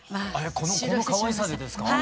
このかわいさでですか？